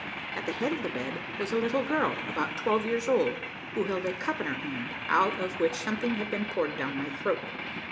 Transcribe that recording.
At the head of the bed was a little girl about twelve years old, who held a cup in her hand, out of which something had been poured down my throat.